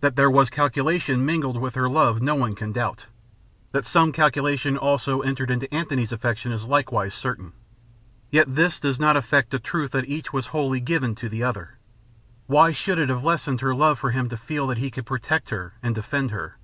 That there was calculation mingled with her love, no one can doubt. That some calculation also entered into Antony's affection is likewise certain. Yet this does not affect the truth that each was wholly given to the other. Why should it have lessened her love for him to feel that he could protect her and defend her?